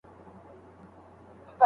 سوله او عفو کول بد کار نه دی.